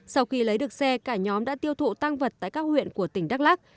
sau khi lấy được xe cả nhóm đã tiêu thụ tăng vật tại các huyện của tỉnh đắk lắc